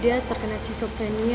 dia terkena sepsioprenia